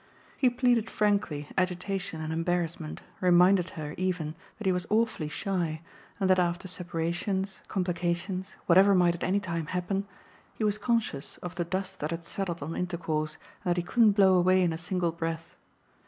He pleaded frankly agitation and embarrassment, reminded her even that he was awfully shy and that after separations, complications, whatever might at any time happen, he was conscious of the dust that had settled on intercourse and that he couldn't blow away in a single breath.